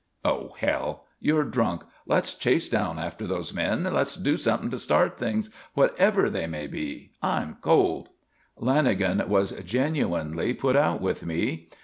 "Oh, hell. You're drunk. Let's chase down after those men. Let's do something to start things, whatever they may be. I'm cold." Lanagan was genuinely put out with me.